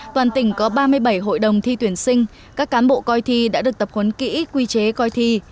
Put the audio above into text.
toàn tỉnh có ba mươi bảy hội đồng thi tuyển sinh các cán bộ coi thi đã được tập huấn kỹ quy chế coi thi